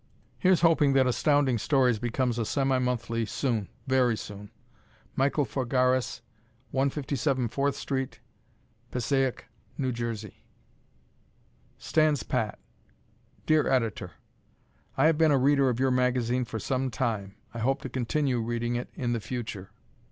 Here's hoping that Astounding Stories becomes a semi monthly soon very soon Michael Fogaris, 157 Fourth St., Passiac, N. J. Stands Pat Dear Editor: I have been a reader of your magazine for some time. I hope to continue reading it in the future.